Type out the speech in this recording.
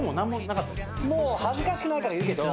もう恥ずかしくなるから言うけど。